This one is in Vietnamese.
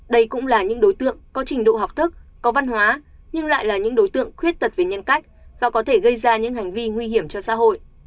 đây cũng là những đối tượng có trình độ học thức có văn hóa nhưng lại là những đối tượng khuyết tật về nhân cách và có thể gây ra những hành vi nguy hiểm cho xã hội